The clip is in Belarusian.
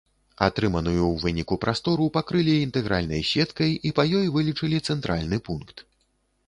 Атрыманую ў выніку прастору пакрылі інтэгральнай сеткай і па ёй вылічылі цэнтральны пункт.